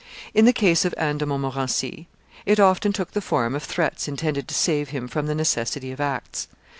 In the case of Anne do Montmorency it often took the form of threats intended to save him from the necessity of acts.